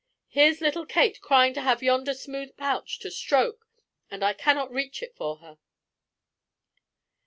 Here's little Kate crying to have yonder smooth pouch to stroke, and I cannot reach it for her."